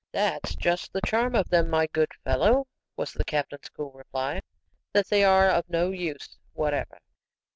"That's just the charm of them, my good fellow," was the captain's cool reply, "that they are of no use whatever."